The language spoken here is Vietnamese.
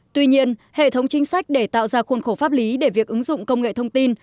tuy nhiên hệ thống chính sách để tạo ra khuôn khổ pháp lý để việc ứng dụng công nghệ thông tin